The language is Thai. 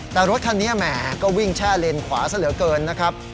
แต่รถคันนี้แหมก็วิ่งแช่เลนขวาซะเหลือเกินนะครับ